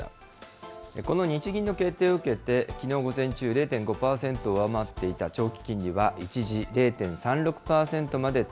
この日銀の決定を受けて、きのう午前中、０．５％を上回っていた長期金利は一時、０．３６％